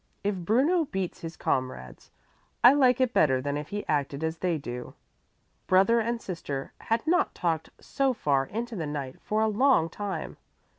"If Bruno beats his comrades, I like it better than if he acted as they do." Brother and sister had not talked so far into the night for a long time.